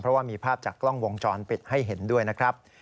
เพราะว่ามีภาพจากกล้องวงจรปิดให้เห็นด้วยนะครับ